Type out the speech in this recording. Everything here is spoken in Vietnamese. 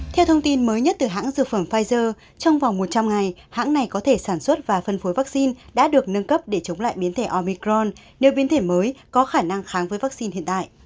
theo thông tin mới nhất từ hãng dược phẩm pfizer trong vòng một trăm linh ngày hãng này có thể sản xuất và phân phối vaccine đã được nâng cấp để chống lại biến thể ormicron nếu biến thể mới có khả năng kháng với vaccine hiện tại